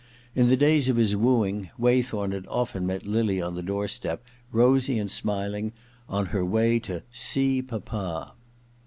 In the days of his wooing, Waythorn had often met Lily on the doorstep, rosy and smiling, on her way * to see papa.'